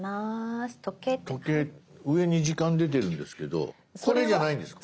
時計上に時間出てるんですけどこれじゃないんですか？